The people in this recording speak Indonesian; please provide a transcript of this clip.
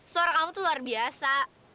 suara kamu tuh luar biasa